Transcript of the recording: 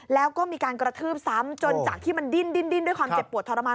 แล้วก็มีการกระทืบซ้ำจนจากที่มันดิ้นด้วยความเจ็บปวดทรมาน